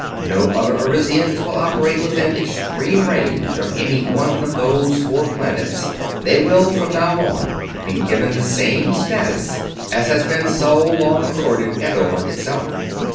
No other Arisians will operate within extreme range of any one of those four planets; they will from now on be given the same status as has been so long accorded Eddore itself.